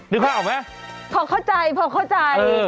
นึกภาพออกไหมพอเข้าใจ